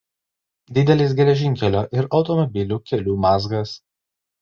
Didelis geležinkelio ir automobilių kelių mazgas.